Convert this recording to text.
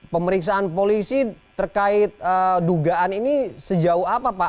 pemeriksaan polisi terkait dugaan ini sejauh apa pak